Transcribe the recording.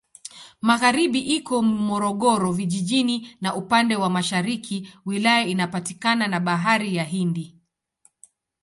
Magharibi iko Morogoro Vijijini na upande wa mashariki wilaya inapakana na Bahari ya Hindi.